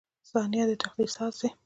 • ثانیه د تقدیر ساز دی.